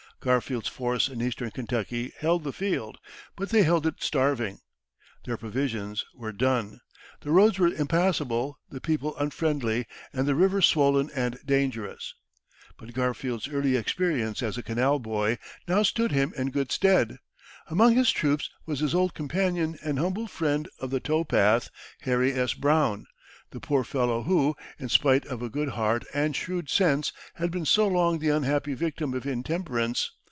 Garfield's force in Eastern Kentucky held the field, but they held it starving. Their provisions were done, the roads were impassable, the people unfriendly, and the river swollen and dangerous. But Garfield's early experience as a canal boy now stood him in good stead. Among his troops was his old companion and humble friend of the towpath, Harry S. Brown, the poor fellow who, in spite of a good heart and shrewd sense, had been so long the unhappy victim of intemperance.